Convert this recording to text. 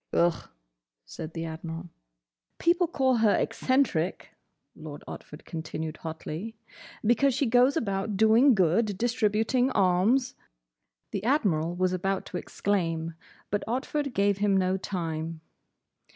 "Ugh," said the Admiral. "People call her eccentric," Lord Otford continued, hotly, "because she goes about doing good—distributing alms—" The Admiral was about to exclaim, but Otford gave him no time.